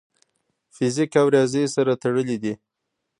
فزیک او ریاضي سره تړلي دي.